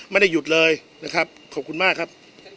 ไม่ได้หยุดเลยนะครับขอบคุณมากครับ